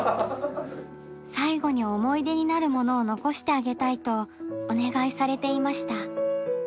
最後に思い出になるものを残してあげたいとお願いされていました。